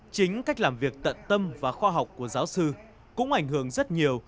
chính cách làm việc tận tâm và khoa học của giáo sư cũng ảnh hưởng rất nhiều